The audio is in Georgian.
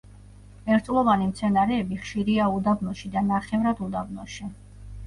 ერთწლოვანი მცენარეები ხშირია უდაბნოში და ნახევრად უდაბნოში.